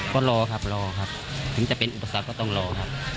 ก็รอครับรอครับถึงจะเป็นอุปสรรคก็ต้องรอครับ